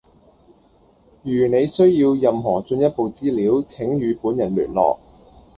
如你需要任何進一步資料，請與本人聯絡。